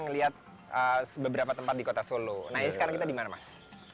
ngelihat beberapa tempat di kota solo nah ini sekarang kita di mana mas